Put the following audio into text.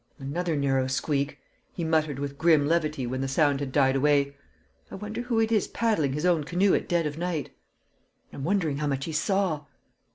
"Another narrow squeak!" he muttered with grim levity when the sound had died away. "I wonder who it is paddling his own canoe at dead of night?" "I'm wondering how much he saw."